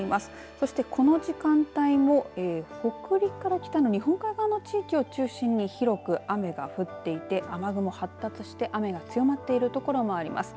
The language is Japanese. そしてこの時間帯も北陸から北の日本海側の地域を中心に広く雨が降っていて雨雲発達して雨が強まっているところもあります。